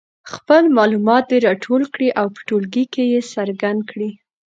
خپل معلومات دې راټول کړي او په ټولګي کې یې څرګند کړي.